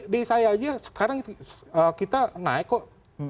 di saya aja sekarang kita naik kok